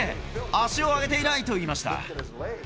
足を上げていないと言いました。